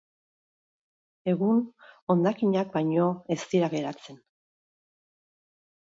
Egun hondakinak baino ez dira geratzen.